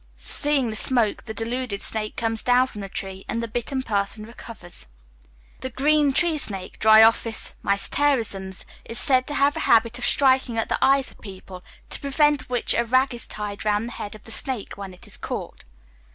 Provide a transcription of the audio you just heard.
Seeing the smoke, the deluded snake comes down from the tree, and the bitten person recovers. The green tree snake (Dryophis mycterizans) is said to have a habit of striking at the eyes of people, to prevent which a rag is tied round the head of the snake, when it is caught.